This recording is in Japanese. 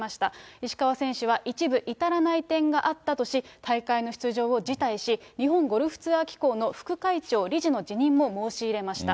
石川選手は、一部至らない点があったとし、大会の出場を辞退し、日本ゴルフツアー機構の副会長・理事の辞任を申し入れました。